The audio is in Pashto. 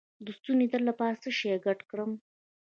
د ستوني درد لپاره څه شی ګډ کړم؟